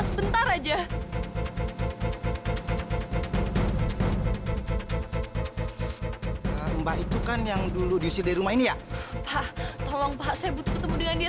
sampai jumpa di video selanjutnya